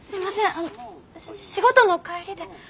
あの仕事の帰りで。